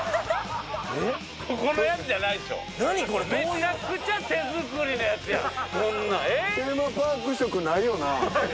めちゃくちゃ手作りのやつやん。